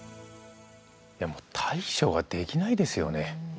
いやもう対処ができないですよね。